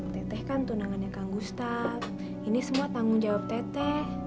tete kan tunangannya kang gustaf ini semua tanggung jawab tete